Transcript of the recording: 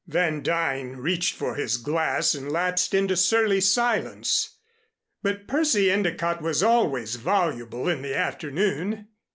Van Duyn reached for his glass and lapsed into surly silence. But Percy Endicott was always voluble in the afternoon.